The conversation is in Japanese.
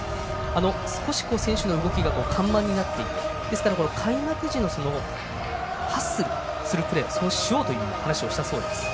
少し選手の動きが緩慢になっていて開幕時のハッスルするプレーをしようという話をしたそうです。